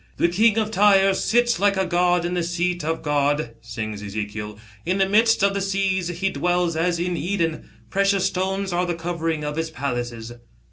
" The king of Tyre sits like a god in the seat of God," sings Ezekiel, "'in the midst of the seas. He dwells as in Eden. Precious stones are the covering of his palaces."